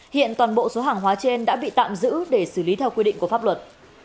hiện toàn bộ số hàng hóa trên đã bị tạm giữ để xử lý theo quy định của pháp luật